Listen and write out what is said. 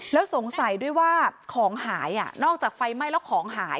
แล้วสงสัยด้วยว่าของหายนอกจากไฟไหม้แล้วของหาย